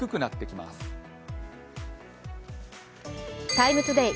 「ＴＩＭＥ，ＴＯＤＡＹ」